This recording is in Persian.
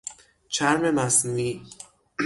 چرم مصنوعی